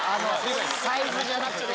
サイズじゃなくて。